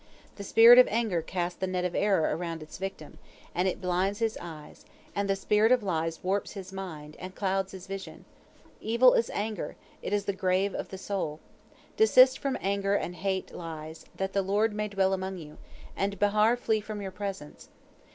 The spirit of anger casts the net of error around its victim, and it blinds his eyes, and the spirit of lies warps his mind, and clouds his vision. Evil is anger, it is the grave of the soul. Desist from anger and hate lies, that the Lord may dwell among you, and Behar flee from your presence.